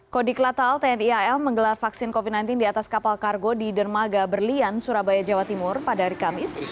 kodiklatal tni al menggelar vaksin covid sembilan belas di atas kapal kargo di dermaga berlian surabaya jawa timur pada hari kamis